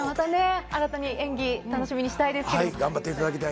新たに演技楽しみにしていきたい。